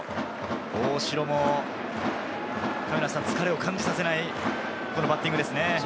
大城も疲れを感じさせないバッティングですね。